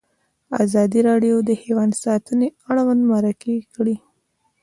ازادي راډیو د حیوان ساتنه اړوند مرکې کړي.